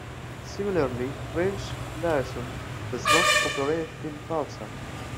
Similarly, French liaison does not operate in pausa.